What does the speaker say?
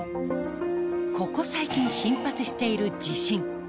ここ最近頻発している地震